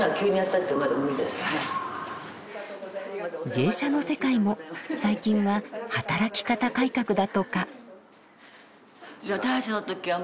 芸者の世界も最近は働き方改革だとか。